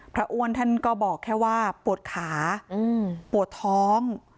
อ้วนท่านก็บอกแค่ว่าปวดขาปวดท้อง